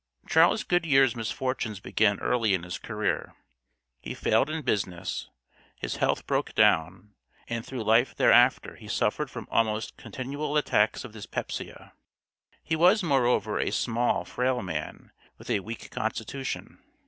Charles Goodyear's misfortunes began early in his career. He failed in business, his health broke down, and through life thereafter he suffered from almost continual attacks of dyspepsia. He was, moreover, a small, frail man, with a weak constitution.